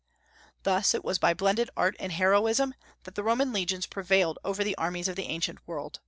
Thus it was by blended art and heroism that the Roman legions prevailed over the armies of the ancient world.